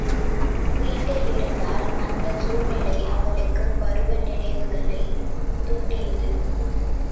வீட்டில் இருந்தால் அந்தச் சூழ்நிலை அவளுக்குப் பருவ நினைவுகளைத் துண்டியது.